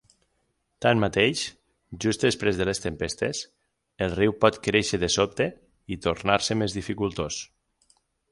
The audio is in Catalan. Tanmateix, just després de les tempestes, el riu pot créixer de sobte i tornar-se més dificultós.